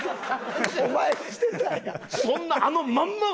お前がしてたんや！